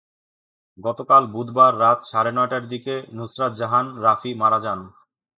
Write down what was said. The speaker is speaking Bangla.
গতকাল বুধবার রাত সাড়ে নয়টার দিকে নুসরাত জাহান রাফি মারা যান।